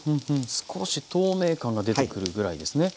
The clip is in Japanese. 少し透明感が出てくるぐらいですね。